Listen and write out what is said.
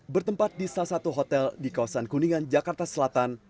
bertempat di salah satu hotel di kawasan kuningan jakarta selatan